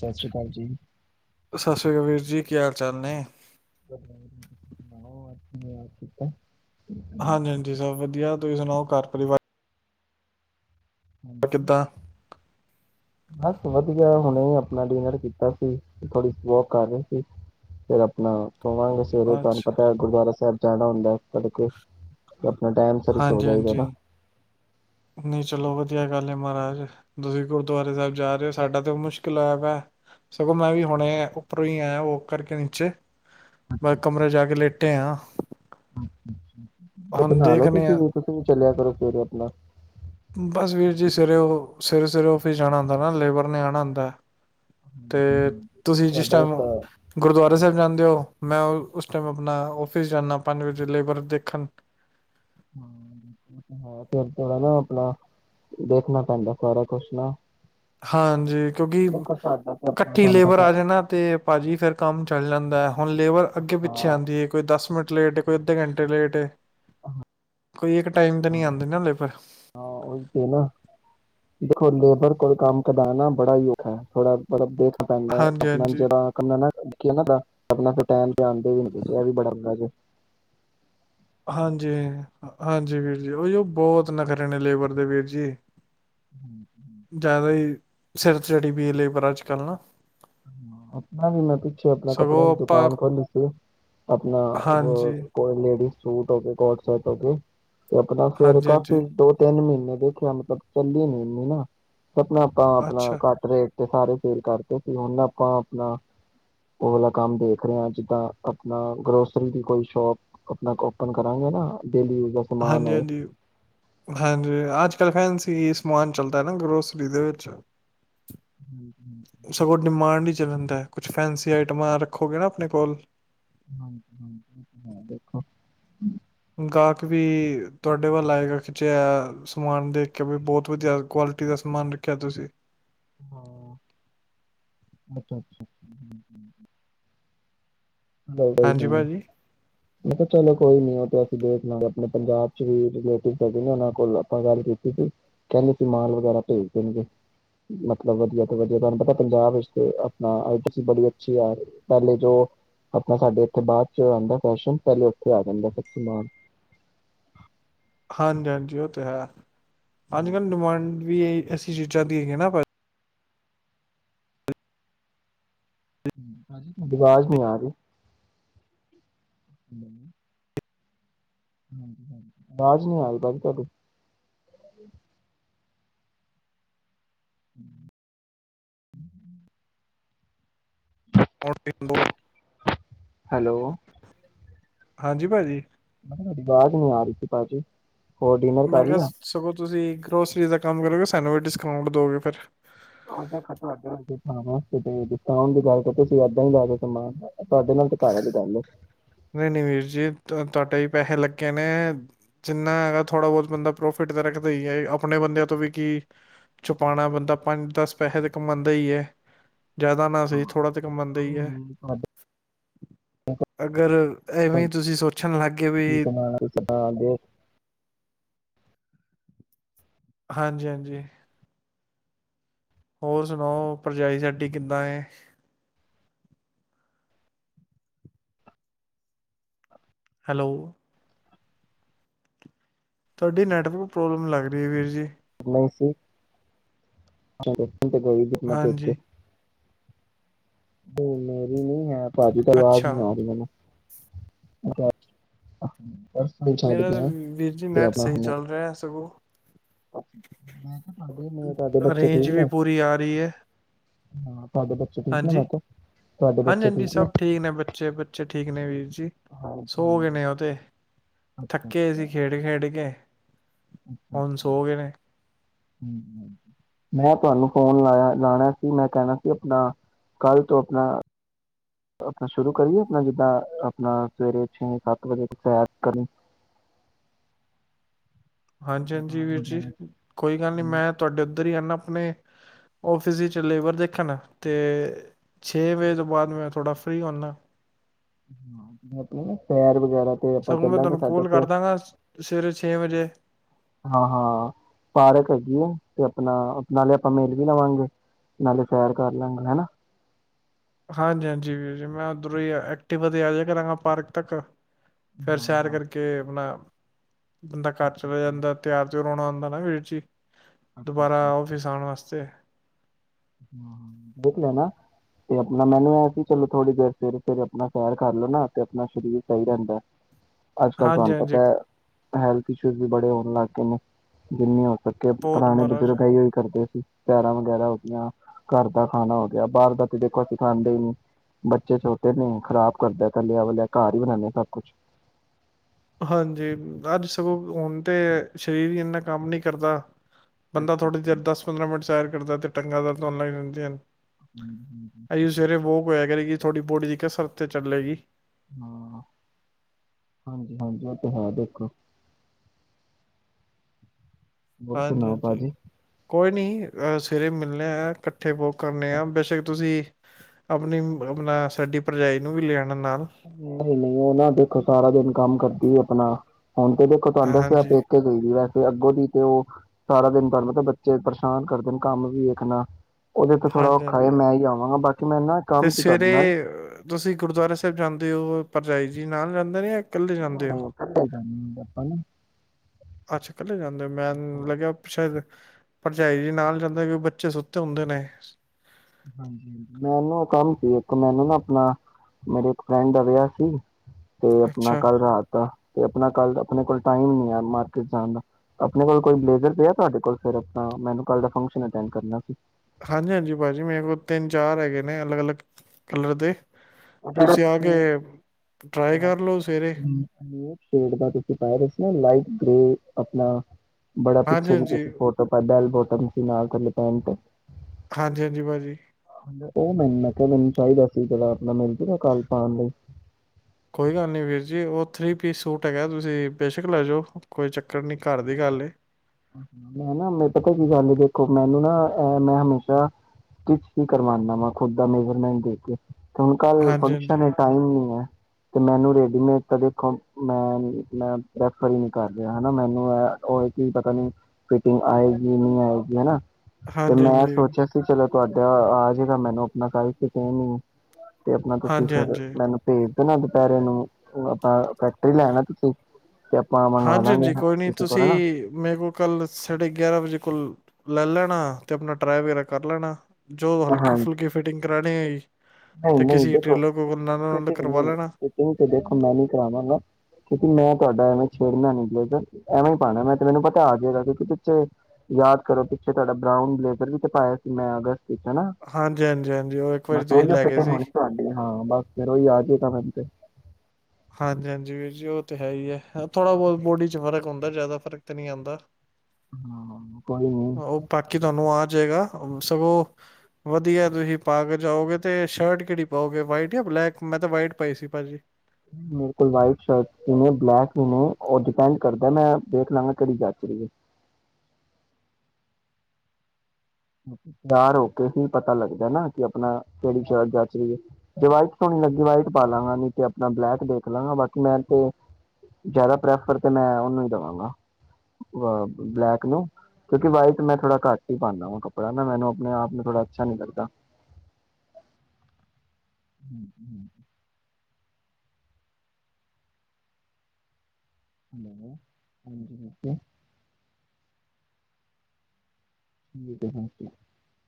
ਸਸ੍ਰੀ ਕਾਲ ਜੀ। ਸਤਿ ਸ੍ਰੀ ਕਾਲ ਵੀਰ ਜੀ ਕੀ ਹਾਲ ਚਾਲ ਨੇ [unintelligible] ਹਾਂਜੀ ਹਾਂਜੀ ਸਭ ਵਧੀਆ ਤੁਸੀਂ ਸੁਣਾਓ ਘਰ ਪਰਿਵਾਰ ਹਾਂਜੀ ਕਿੱਦਾਂ ਬਸ ਵਧੀਆ ਹੁਣੇ ਆਪਣਾ ਡਿਨਰ ਕੀਤਾ ਸੀ ਥੋੜੀ ਵੋਕ ਕਰ ਰਹੇ ਸੀ ਫਿਰ ਆਪਣਾ ਸੋਵਾਂਗੇ ਸੇਵੇਰੇ ਤੁਹਾਨੂ ਅੱਛਾ ਪਤਾ ਗੁਰਦੁਆਰਾ ਸਾਹਿਬ ਜਾਣਾ ਹੁੰਦਾ ਤੜਕੇ ਤੇ ਆਪਣਾ ਟਾਈਮ ਸੇਰ ਹੀ ਸੌ ਹਾਂਜੀ ਜਾਏਦਾ ਹਾਂਜੀ ਨਾ ਨਹੀਂ ਚਲੋ ਵਧੀਆ ਗੱਲ ਹੈ ਮਹਾਰਾਜ ਤੁਸੀਂ ਗੁਰਦੁਆਰੇ ਸਾਹਿਬ ਜਾ ਰਹੇ ਹੋ ਸਾਡਾ ਤਾਂ ਮੁਸ਼ਕਿਲ ਹੈਇਆਗਾਾ ਸਗੋਂ ਮੈਂ ਵੀ ਹੁਣੇ ਉੱਪਰੋਂ ਹੀ ਆਇਆ ਉਹ ਕਰਕੇ ਨੀਚੇ ਅੱਛਾ ਬਸ ਅੱਛਾ ਕਮਰੇ ਜਾ ਕੇ ਲੇਟੇ ਆ ਅੱਛਾ ਅੱਛਾ ਬਣਾ ਨਾਲ ਲੋ ਕਿ ਤੁਸੀ ਚੱਲਿਆ ਕਰੋ ਫਿਰ ਆਪਣਾ ਬਸ ਵੀਰ ਜੀ ਸਵੇਰੇ ਉਹ ਸਵੇਰੇ ਸਵੇਰੇ ਫਿਸ ਜਾਣਾ ਹੁੰਦਾ ਨਾ ਲੇਬਰ ਨੇ ਆਉਣਾ ਹੁੰਦਾ ਤੇ ਹਾਂਜੀ ਹਾਂਜੀ ਤੁਸੀਂ ਜਿਸ ਤੁਹਾਡਾ ਟਾਈਮ ਤਾਂ ਗੁਰਦੁਆਰੇ ਸਾਹਿਬ ਜਾਂਦੇ ਹੋ ਮੈਂ ਉਸ ਟਾਈਮ ਆਪਣਾ ਔਫਿਸ ਜਾਣਾ ਪੰਜ ਵਜੇ ਲੇਬਰ ਦੇਖਣ ਫਿਰ ਥੋੜਾ ਨਾ ਆਪਣਾ ਦੇਖਣਾ ਪੈਂਦਾ ਸਾਰਾ ਕੁਛ ਨਾ ਹਾਂਜੀ ਕਿਉਂਕਿ ਦੇਖੋ ਸਾਡਾ ਤੇ ਆਪਣਾ ਕੱਟੀ ਤੁਹਾਨੂੰ ਲੇਬਰ ਪਤਾ ਆ ਹੈ। ਜਾਣਾ ਤੇ ਭਾਜੀ ਫਿਰ ਕੰਮ ਚੱਲ ਜਾਂਦਾ [unintelligible] ਹੁਣ ਲੇਬਰ ਅੱਗੇ ਪਿੱਛੇ ਹਾਂ ਆਉਂਦੀ ਹੈ ਕੋਈ ਦਸ ਮਿੰਟ ਲੇਟ ਕੋਈ ਅੱਧੇ ਘੰਟੇ ਲੇਟ ਕੋਈ ਇੱਕ ਟਾਈਮ ਤੇ ਨੀ ਆਉਂਦੇ ਨਾ ਲੇਪਰ ਹਾਂ ਉਹੀ ਤੇ ਨਾ ਲੇਬਰ ਕੋਲ ਕੰਮ ਕਰਉਣਾ ਬੜਾ ਹੀ ਔਖਾ ਹੈ ਥੋੜਾ ਬਬ ਦੇਖ ਹਾਂਜੀ ਸਪਨਾ ਹਾਂਜੀ ਜਦ ਆ [unintelligible] ਹਾਂਜੀ ਹਾਂਜੀ ਵੀਰ ਜੀ ਓਹੀ ਉਹ ਬਹੁਤ ਨਖਰੇ ਨੇ ਲੇਬਰ ਦੇ ਵੀਰ ਜੀ ਹਮ ਹ ਜ਼ਿਆਦਾ ਹੀ ਸਿਰ [unintelligible] ਲਈ ਪਰ ਅੱਜ ਕੱਲ੍ਹ ਨਾ ਆਪਣਾ ਵੀ ਮੈਂ ਪਿੱਛੇ ਆਪਣਾ ਕੱਪੜਿਆਂ ਸਗੋਂ ਦੀ ਆਪਾਂ ਦੁਕਾਨ ਖੋਲੀ ਸੀ ਆਪਣਾ ਹਾਂਜੀ ਕੋ ਲੇਡੀਜ਼ ਸੂਟ ਹੋਕੇ ਕੋਟ ਸ਼ਟ ਕਹੋ ਗੇ ਤੇ ਆਪਣਾ ਫੇਿਰ ਹਾਂਜੀ ਹਾਂਜੀ ਕਾਫੀ ਦੋ ਤਿੰਨ ਮਹੀਨੇ ਦੇਖਿਆ ਮਤਲਬ ਚੱਲੀ ਨ ਇਨੀ ਨਾ ਆਪਣਾ ਆਪਾਂ ਆਪਣਾ ਅੱਛਾ ਘੱਟ ਰੇਟ ਸਾਰੇ ਫੇਲ ਕਰਕੇ ਤੇ ਹੁਣ ਆਪਾਂ ਆਪਣਾ ਲਾ ਕੰਮ ਦੇਖ ਰਹੇ ਹ ਜਿੱਦਾਂ ਆਪਣਾ ਗਰੋਸਰੀ ਦੀ ਕੋਈ ਸ਼ੋਪ ਆਪਣਾ ਓਪਨ ਕਰਾਂਗੇ ਨਾ ਡੇਲੀ ਯੂਜ ਦਾ ਸਮਾਨ ਹਾਂਜੀ ਹੈ ਹਾਂਜੀ ਹਾਂਜੀ ਅੱਜ ਕੱਲ ਫੈਨਸ ਸਮਾਨ ਚੱਲਦਾ ਨਾ ਗਰੋਸਰੀ ਦੇ ਵਿੱਚ ਹਮ ਹਮ ਰਹਿੰਦਾ ਹੈ ਫੈਂਸੀ ਆਈਟਮਾਂ ਰੱਖੋਗੇ ਨਾ ਆਪਣੇ ਕੋਲ ਹਾਂਜੀ ਹਾਂਜੀ ਹਾਂ ਦੇਖੋ ਗਾਹਕ ਵੀ ਤੁਹਾਡੇ ਵੱਲ ਆਏਗਾ ਖਿੱਚਿਆ ਸਮਾਨ ਦੇਖ ਕੇ ਵੀ ਬਹੁਤ ਵਧੀਆ ਕੁਆਲਿਟੀ ਦਾ ਸਮਾਨ ਰੱਖਿਆ ਤੁਸੀਂ ਹਾਂ ਅੱਛਾ ਅੱਛਾ ਹਾਂਜੀ ਭਾਜੀ ਮੈਂ ਕਿਹਾ ਚਲੋ ਕੋਈ ਨ ਅਸੀਂ ਦੇਖ ਲਾਂਗੇ ਪੰਜਾਬ ਚ ਕੋ ਗੱਲ ਕੀਤੀ ਕਹਿੰਦੇ ਮ ਵਰਾ ਭੇਜ ਦੇ ਮਤਲਬ ਵਧੀਆ ਤੋਂ ਵਆੂੰ ਪਤਾ ਪੰਜਾਬ ਵਿਚ ਬੀ ਅ ਆ ਪ ਜੋ ਆਪਣਾ ਸਾਡੇ ਇੱਥੇ ਬਾਅਦ ਚ ਆਹਦਾ ਫੈਸ਼ਨ ਪਹਿਲੇ ਉੱਥੇ ਆ ਜਾਂਦਾ ਸਭ ਸਮਾਨ ਹਾਂਜੀ ਹਾਂਜੀ ਉਹ ਤੇ ਹੈ ਹਾਂਜੀ ਮੈਮ ਡਿਮਾਂਡ ਵੀ ਇਹ ਅਸੀਂ ਚੀਜ਼ਾਂ ਦੀ ਹੈਗੇ ਨਾ ਭਾਜੀ [unintelligible] [inaudible] ਆਵਾਜ਼ ਨਹੀਂ ਆਈ ਭਾਜੀ ਤੁਹਾਡੀ [inaudible] [unintelligible] ਹੈਲੋ ਹਾਂਜੀ ਭਾਜੀ ਮੈਂ ਤੁਹਾਡੀ ਆਵਾਜ਼ ਨੀ ਆ ਰਹੀ ਸੀ ਭਾਜੀ ਹੋਰ ਡਿਨਰ ਮੈਂ ਕਰ ਕਿਹਾ ਲਿਆ ਸਗੋਂ ਤੁਸੀਂ ਗਰੋਸਰੀ ਦਾ ਕੰਮ ਕਰੋਗੇ ਸਾਨੂੰ ਇਹ ਡਿਸਕਾਊਂਟ ਦਓਗੇ ਫਿਰ ਿਸ ਦੀ ਗਸੀ ਦਾਂ ਹੀ ਲੈ ਕੇ ਸਮਾਨ ਤੁਹਾਡੇ ਨਾਲ ਤੇ ਕ ਗੱਲ ਨਹੀਂ ਨਹੀਂ ਵੀਰ ਜੀ ਤੁਹਾਡੇ ਹੀ ਪੈਸੇ ਲੱਗੇ ਨੇ ਜਿੰਨਾ ਹੈਗਾ ਥੋੜਾ ਬਹੁਤ ਬੰਦਾ ਪ੍ਰੋਫਿਟ ਤਾਂ ਰੱਖਦਾ ਹੀ ਹੈ ਆਪਣੇ ਬੰਦਿਆਂ ਤੋਂ ਵੀ ਕੀ ਛੁਪਾਉਣਾ ਬੰਦਾ ਪੰਜ ਦਸ ਪੈਸੇ ਤਾਂ ਕਮਾਉਂਦਾ ਹੀ ਹੈ ਜ਼ਿਆਦਾ ਨਾ ਸੀ ਥੋੜਾ ਤਾਂ ਕਮਉਂਦਾ ਹੀ ਹੈ ਹ ਹਾਂ ਅਗਰ ਐਵੇਂ ਤੁਸੀ ਸੋਚਣ ਲੱਗੇ ਵੀ ਕੀ ਕਮਾਣਾ ਹਾਂਜੀ ਹਾਂਜੀ ਹੋਰ ਸੁਣਾਓ ਭਰਜਾਈ ਸਾਡੀ ਕਿੱਦਾਂ ਹੈਲੋ ਤੁਹਾਡੀ ਨੈਟਵਰਕ ਪ੍ਰੋਬਲਮ ਲੱਗ ਰਹੀ ਹੈ ਵੀਰ ਜੀ ਸੀ ਤੇ ਕੋਈ ਧਰ ਨਾ ਪੇਕੇ ਹਾਂਜੀ [unintelligible] ਭਾਜੀ ਕੱਲ ਆਵਾਜ਼ ਅੱਛਾ ਨੀ ਆ ਰਹੀ ਮੈਨੂੰ ਹਾਂਜੀ। ਮੇਰਾ ਤਾਂ ਵੀਰ ਜੀ ਨੈਟ ਸਹੀ ਹੁਣ ਚੱਲ ਰਿਹਾ ਸਗੋਂ। ਮੈਂ ਕਿਹਾ ਤੁਹਾਡੇ ਨੇ ਤੁਹਾਡੇ ਬੱਚੇ ਠੀਕ ਅਰੇਂਜ ਵੀ ਨੇ ਪੂਰੀ ਆ ਰਹੀ ਹੈ। ਹਾਂ। ਤੁਹਾਡੇ ਬੱਚੇ ਠੀਕ ਨੇ ਹਾਂਜੀ ਮੈਂ ਕਿਹਾ ਤੁਹਾਡੇ ਬੱਚੇ ਠੀਕ ਨੇ। ਹਾਂ, ਹਾਂ, ਹੁਣ ਅੱਛਾ-ਅੱਛਾ। ਸੋ ਗਏ ਨੇ ਮੈਂ ਤੁਹਾਨੂੰ ਫੋਨ ਲਾਇਆ ਲਾਣਾ ਸੀ ਮੈਂ ਕਹਿਣਾ ਸੀ ਆਪਣਾ ਕੱਲ੍ਹ ਤੋਂ ਆਪਣਾ। ਆਪਣਾ ਸ਼ੁਰੂ ਕਰੀਏ ਆਪਣਾ ਜਿੱਦਾਂ ਆਪਣਾ ਸਵੇਰੇ ਛੇ ਸੱਤ ਵਜੇ ਸੈਰ ਕਰਨੀ। ਹਾਂਜੀ-ਹਾਂਜੀ ਹਾਂ, ਵੀਰ ਜੀ, ਵਗੈਰਾ ਕੋਈ ਗੱਲ ਨਹੀਂ ਜਿਵੇਂ ਮੈਂ ਤੁਹਾਡੇ ਉੱਧਰ ਹੀ ਆਣਾ। ਆਪਣੇ ਆਫਿਸ ਚ ਚੱਲੇ ਲੇਬਰ ਦੇਖਣ, ਤੇ ਛੇ ਵਜੇ ਤੋਂ ਬਾਅਦ ਮੈਂ ਥੋੜ੍ਹਾ ਫ੍ਰਰੀ ਹੁਣਾ। ਹਾ ਮੈ ਆਪਣੇ ਸੈਰ। ਵਗੈਰਾ ਤੇ ਆਪਾਂ ਸਗੋਂ ਮੈਂ ਚੱਲਾਂਗੇ ਤੁਹਾਨੂੰ ਸਾਡੇ ਕੋਲ ਇੱਥੇ, ਕਰ ਦਾਂਗਾ ਸਵੇਰੇ ਛੇ ਵਜੇ ਹਾਂ-ਹਾਂ ਪਾਰਕ ਹੈਗੀ ਆ। ਤੇ ਆਪਣਾ ਨਾਲੇ ਆਪਾਂ ਮਿਲ ਵੀ ਲਵਾਂਗੇ ਨਾਲੇ ਸੈਰ ਕਰ ਲਾਂਗੇ ਹਨਾ। ਹਾਂਜੀ-ਹਾਂਜੀ ਵੀਰ ਜੀ ਮੈਂ ਉੱਧਰੋਂ ਐਕਟਿਵਾ ਤੇ ਆਜਾ ਕਰਾਂਗਾ ਪਾਰਕ ਤੱਕ। ਫੇਰ ਹਾਂ ਸੈਰ ਹਾਂ ਕਰਕੇ ਅਪਣਾ ਬੰਦਾ ਘਰ ਅੱਛਾ ਚਲਾ ਅੱਛਾ ਜਾਂਦਾ ਤਿਆਰ ਤੇ ਰੋਣਾ ਆਂਦਾ ਨਾ ਵੀਰ ਜੀ। ਅੱਛਾ ਦੁਬਾਰਾ ਅੱਛਾ ਅੱਛਾ, ਆਫਿਸ ਆਣ ਵਾਸਤੇ। ਤੇ ਦੇਖ ਲੈਣਾ ਤੇ ਆਪਣਾ ਮੈਨੂੰ ਐ ਸੀ ਚਲੋ ਥੋੜੀ ਦੇਰ ਸਵੇਰੇ ਸਵੇਰੇ ਆਪਣਾ ਸੈਰ ਕਰ ਲੈਣਾ, ਤੇ ਆਪਣਾ ਸਰੀਰ ਸਹੀ ਰਹਿੰਦਾ। ਅੱਜ ਕੱਲ੍ਹ ਹਾਂਜੀ ਤੁਹਾਨੂੰ ਪਤਾ ਹਾਂਜੀ ਹੈ। ਹੈਲਥ ਇਸ਼ੂਜ਼ ਵੀ ਬੜੇ ਹੋਣ ਲੱਗ ਗਏ ਨੇ, ਜਿੰਨੀਆਂ ਕਰਕੇ ਬਹੁਤ ਪੁਰਾਣੇ ਮਹਾਰਾਜ ਬਜ਼ੁਰਗ ਇਹੀ ਕਰਦੇ ਸੀ। ਸੈਰਾਂ ਵਗੈਰਾ ਹੋ ਗਈਆਂ। ਘਰ ਦਾ ਖਾਣਾ ਹੋ ਗਿਆ ਬਾਹਰ ਦਾ ਤੇ ਦੇਖੋ ਅਸੀਂ ਖਾਂਦੇ ਹੀ ਨੀ, ਬੱਚੇ ਛੋਟੇ ਨੇ ਖ਼ਰਾਬ ਕਰਦਾ ਤਲਿਆਂ ਵੱਲਿਆ ਘਰ ਹੀ ਬਣਾਦੇ ਸਭ ਕੁਛ। ਹਾਂਜੀ, ਅੱਜ ਸਗੋਂ ਹੁਣ ਤੇ ਸਰੀਰ ਭੀ ਇੰਨਾ ਕੰਮ ਨੀ ਕਰਦਾ। ਬੰਦਾ ਅੱਛਾ। ਥੋੜ੍ਹੀ ਦੇਰ ਦਸ ਪੰਦਰਾਂ ਮਿੰਟ ਸੈਰ ਦਾ ਤੇ ਟੰਗਾਂ [unintelligible] ਰਹਿੰਦੀਆਂ ਨੇ। ਹੂੰ-ਹੂੰ। ਉਹਇਆ ਕਰੇਗੀ ਥੋਡੀ ਬੋਡੀ ਦੀ ਕਸਰਤ ਤੇ ਚੱਲੇਗੀ। ਹਾਂ, ਹਾਂਜੀ-ਹਾਂਜੀ ਉਹ ਤੇ ਹੈ ਦੇਖੋ। ਹੋਰ ਸੁਣਾਓ ਹਾਂਜੀ-ਹਾਂਜੀ, ਭਾਜੀ। ਕੋਈ ਨੀ। ਅਹ ਸਵੇਰੇ ਮਿਲਣੇ ਹੈ। ਕਿੱਥੇ ਵਾਕ ਕਰਨੇ ਆ ਬੇਸ਼ੱਕ ਤੁਸੀਂ। ਅਪਣੀ ਆਪਣਾ ਸਾਡੀ ਪਰਜਾਈ ਨੂੰ ਵੀ ਲਿਆਣਾ ਨਹੀਂ ਨਹੀਂ ਉਹ ਨਾ ਦੇਖੋ ਸਾਰਾ ਦਿਨ ਕੰਮ ਕਰਦੀ ਆਪਣਾ ਹੁਣ ਤੇ ਦੇਖੋ ਤੁਹਾਨੂੰ ਦੱਸਯਾ ਆਪ ਹਾਂਜੀ, ਪੇਕੇ ਗਈ ਦੀ ਐ। ਤੇ ਅੱਗੋਂ ਦੀ ਤੇ ਉਹ ਸਾਰਾ ਦਿਨ ਤੁਹਾਨੂੰ ਪਤਾ ਬੱਚੇ ਪਰੇਸ਼ਾਨ ਕਰਦੇ ਨੇ ਕੰਮ ਵੀ ਵੇਖਣਾ ਉਹਦੇ ਤੇ ਥੋੜ੍ਹਾ ਔਖਾ ਏ, ਹਾਂਜੀ-ਹਾਂਜੀ। ਮੈਂ ਹੀ ਆਵਾਂਗਾ ਬੱਟ ਤੇ ਸਵੇਰੇ ਤੁਸੀਂ ਗੁਰਦੁਆਰਾ ਸਾਹਿਬ ਜਾਂਦੇ ਦੇ ਉਹ ਭਰਜਾਈ ਜੀ ਨਾਲ ਰਦੇ ਨੇ ਇਕੱਲੇ ਜਾਂਦੇ ਹੋ? ਆਪਾਂ ਨੂੰ ਅੱਛਾ ਇਕੱਲੇ ਜਾਂਦੇ ਹੋ ਮੈਂ ਲੱਗਿਆ ਸ਼ਾਇਦ ਭਰਜਾਈ ਜੀ ਨਾਲ ਜਾਂਦੇ ਕਿ ਬੱਚੇ ਸੁੱਤੇ ਹੁੰਦੇ ਨੇ ਹਾਂਜੀ ਹ ਮੈਨੂੰ ਕੰਮ ਸੀ ਇੱਕ ਮੈਨੂੰ ਨਾ ਆਪਣਾ ਮੇਰੇ ਇੱਕ ਫਰੈਂਡ ਰਿਹਾ ਸੀ ਤੇ ਆਪਣਾ ਅੱਛਾ। ਕੱਲ੍ਹ ਰਾਤ ਤੇ ਆਪਣਾ ਕੱਲ ਆਪਣੇ ਕੋਲ ਟਾਈਮ ਨ ਆ ਮਾਰਕੀਟ ਜਾਣ ਦਾ ਆਪਣੇ ਕੋਲ ਕੋਈ ਬਜਰ ਪਿਆ ਤੁਹਾਡੇ ਕੋਲ ਫ ਮੈਨ ਕ ਦਾ ਫੰਕ ਕਰਨਾ ਸੀ ਹਾਂਜੀ ਹਾਂਜੀ ਭਾਜੀ ਮੇਰੇ ਕੋਲ ਤਿੰਨ ਚਾਰ ਹੈਗੇ ਨੇ ਅਲੱਗ ਅਲੱਗ ਕਲਰ ਦੇ ਸ਼ੇ ਦਾ ਆ ਤੁਸੀਂ ਕੇ ਟਰਾਈ ਕਰ ਲਓ ਸਵੇਰੇ ਪਾਏ ਰ ਸੀ ਲਾਈ ਤੇ ਆਪਣਾ ਬੜਾ ਹਾਂਜੀ ਪਿੱਛੇ ਜੇ ਹਾਂਜੀ ਤੁਸੀਂ ਫੋਟੋ ਪਾਏ ਬੈਲਬੋ [unintelligible] ਪੈਟ ਹਾਂਜੀ ਹਾਂਜੀ ਭਾਜੀ ਉਹ ਮੈੂੰ ਕਿਹਾ ਮੈਨੂੰ ਚਾਹੀਦਾ ਸੀ ਜੜ ਆਪਣਾ ਮਨਤੀਗਾ ਕੱਲ ਪਾਉਣ ਲਈ ਕੋਈ ਗੱਲ ਨਹੀਂੀ ਵੀਰ ਜੀ ਉਹ ਥ੍ਰਰੀ ਪੀਸ ਸੂਟ ਹੈਗਾ ਤੁਸੀਂ ਬੇਸ਼ੱਕ ਲੈ ਜਾਓ ਕੋਈ ਚੱਕਰ ਨਹੀਂੀ ਘਰ ਦੀ ਗੱਲ ਮੈਂ ਨਾ ਮ ਪਤਾ ਕੀ ਗੱਲ ਦੇਖੋ ਮੈਨੂੰ ਨਾ ਮੈਂ ਹਮੇਸ਼ਾ ਸਟਿਚ ਹੀ ਕਰਵਾਦਾ ਵਾ ਖੁਦ ਦਾ ਮੇਜਰਮੈਂਟ ਦੇ ਕੇ ਹੁਣ ਕੱਲ ਹਾਂਜੀ ਹਾਂਜੀ ਫੰਕਸ਼ਨ ਹੈ ਟਾਈਮ ਨਹੀਂ ਹੈ ਤੇ ਮੈਨੂੰ ਰੇਡੀਮੇਡ ਤਾਂ ਦੇਖੋ ਮੈਂ ਪ੍ਰੈਫਰ ਹੀ ਨ ਕਰ ਰਿਹਾਾ ਮੈਨੂੰ ਪ ਕਣੀ ਫਿਟਿੰਗ ਆਏਗੀ ਨਹੀਂ ਆਏਗੀ ਹਨਾ ਤੇ ਹਾਂਜੀ ਮੈਂ ਹਾਂਜੀ ਸੋਚਿਆ ਸੀ ਚਲੋ ਤੁਹਾਡਾ ਆ ਜੇਗਾ ਮੈਨੂੰ ਆਪਣਾ ਕ ਨ ਤੇ ਆਪਣਾ ਤੁਸੀਂ ਹਾਂਜੀ ਹਾਂਜੀ ਫੇਿਰ ਮੈਨੂੰ ਭੇਜ ਨਾ ਦੁਪਹਿਰੇ ਨੂੰ ਆਪਾਂ ਫੈਕਟਰੀ ਲੈਣਾ ਤੁਸੀਂ ਤੇ ਆਪਾਂ ਮੰਗਵਾ ਹਾਂਜੀ ਦਾਂਗੇ ਹਾਂਜੀ ਕੋਈ ਨਹੀਂ ਕਿਸੇ ਤੁਸੀਂ ਕੋਲ ਨਾ ਮੇਰੇ ਕੋਲ ਕੱਲ ਸਾਢੇ ਗਿਆਰਾਂ ਵਜੇ ਕੋਲ ਲੈ ਲੈਣਾ ਅਤੇ ਆਪਣਾ ਟਰਾਏ ਵਗੈਰਾ ਕਰ ਲੈਣਾ ਜੋ ਹਲਕੀ ਹਾਂਜੀ ਫੁਲਕੀ ਫਿਟਿੰਗ [unintelligible] ਨਹੀਂ ਤੇ ਨਹੀਂ ਕਿਸੇ ਦੇਖੋ ਟੇਲਰ ਕੋਲ ਨਾਲ ਨਾਲ ਫਿਟਿੰਗ ਕਰਵਾ ਨਹੀਂ ਲੈਣਾ ਫਿਟਿੰਗ ਤੇ ਦੇਖੋ ਮੈਂ ਨਹੀਂ ਕਰਾਵਾਂਗਾ ਮੈਂ ਤੁਹਾਡਾ ਐਵੇਂ ਛੇੜਨਾ ਨੀ ਬਲੇਜਰ ਐਵੇਂ ਹੀ ਪਾਉਣਾ ਮੈਂ ਤੇ ਮੈਨੂੰ ਪਤਾ ਆ ਜਾਏਗਾ ਕਿਉਂਕਿ ਪਿੱਛੇ ਯਾਦ ਕਰੋ ਪਿੱਛੇ ਤੁਹਾਡਾ ਬਰਾਊਨ ਬਲੇਜਰ ਵੀ ਤੇ ਪਾਇਆ ਸੀ ਮੈਂ ਅਗਸਤ ਹਾਂਜੀ ਹਾਂਜੀ ਹਾਂਜੀ ਉਹ ਇੱਕ ਵਾਰੀ ਤੁਸੀਂ ਸਹੀ ਲੈ ਫਟ ਗਏ ਹੋ ਸੀ ਤੁਡਡੀ ਹਾਂ ਬਸ ਫਿਰ ਉਹੀ ਆ ਜਾਏ ਤਾਂ ਮੈ ਤੇ ਹਾਂਜੀ ਹਾਂਜੀ ਵੀਰ ਜੀ ਉਹ ਤਾਂ ਹੈ ਹੀ ਹੈ ਥੋੜ੍ਹਾ ਬਹੁਤ ਬੋਡੀ ਚ ਫਰਕ ਹੁੰਦਾ ਜ਼ਿਆਦਾ ਫ਼ਰਕ ਤਾਂ ਨਹੀਂ ਆਉਂਦਾ ਹਾਂ ਕੋਈ ਨੀ ਉਹ ਬਾਕੀ ਤੁਹਾਨੂੰ ਆ ਜਾਏਗਾ ਸਗੋਂ ਵਧੀਆ ਤੁਸੀਂ ਪਾ ਕੇ ਜਾਓਗੇ ਤੇ ਸ਼ਰਟ ਕਿਹੜੀ ਪਾਓਗੇ ਵਾਈਟ ਜਾਂ ਬਲੈਕ ਮੈਂ ਤਾਂ ਵਾਈਟ ਪਾਈ ਸੀ ਭਾਜੀ ਮੇਰੇ ਕੋਲ ਵਟ ਸ਼ਰਟ ਵੀ ਨੇ ਬਲੈਕ ਵੀ ਨੇ ਉਹ ਡਿਪੈਂਡ ਕਰਦਾ ਮੈਂ ਦੇਖ ਲਾਂਗਾ ਕਿਹੜੀ ਜਾਚੀਏ ਤਿਆਰ ਹੋ ਕੇ ਪਤਾ ਲੱਗਦਾ ਨਾ ਕਿ ਆਪਣਾ ਕਿਹੜੀ ਜਾਚ ਰਹੀ ਹੈ ਜੇ ਵਾਈਟ ਸੋਣੀ ਲੱਗੀ ਵਾਈਟ ਪਾ ਲਾਂਗਾ ਨੀ ਤੇ ਆਪਣਾ ਬਲੈਕ ਦੇਖ ਲਾਂਗਾ ਬਾਕੀ ਮੈਂ ਤੇ ਜਿਆਦਾ ਪ੍ਰੈਫਰ ਤੇ ਮੈਂ ਉਹਨੂੰ ਹੀ ਦੇਵਾਂਗਾ ਅਹ ਬਲੈਕ ਨੂੰ ਕਿਉਂਕਿ ਵਾਈਟ ਮੈਂ ਥੋੜਾ ਘੱਟ ਹੀ ਪਾਉਦਾ ਵਾਂ ਕੱਪੜਾ ਪੜ ਨਾ ਮੈਨੂੰ ਆਪਣੇ ਆਪ ਨੂੰ ਥੋੜਾ ਅੱਛਾ ਨੀ ਲਗਦਾ ਹੁਮ ਹੁਮ [unintelligible]